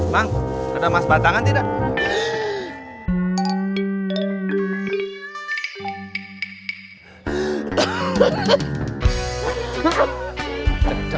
bang keda mas batangan tidak